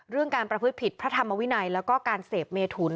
การประพฤติผิดพระธรรมวินัยแล้วก็การเสพเมถุน